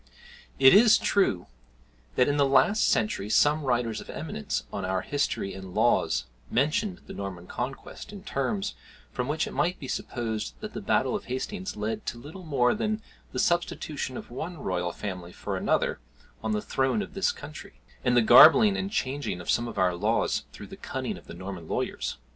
It is true that in the last century some writers of eminence on our history and laws mentioned the Norman Conquest in terms, from which it might be supposed that the battle of Hastings led to little more than the substitution of one royal family for another on the throne of this country, and to the garbling and changing of some of our laws through the "cunning of the Norman lawyers."